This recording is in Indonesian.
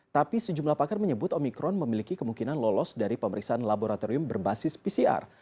tapi sejumlah pakar menyebut omikron memiliki kemungkinan lolos dari pemeriksaan laboratorium berbasis pcr